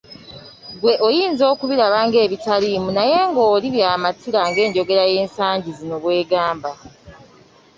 Ggwe oyinza okubiraba ng'ebitaliimu naye ng'oli ye by'amatira ng'enjogera y'ensangi zino bw'egamba.